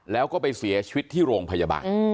แล้วก็ไปเสียชีวิตที่โรงพยาบาล